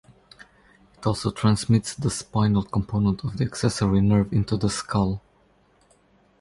It also transmits the spinal component of the accessory nerve into the skull.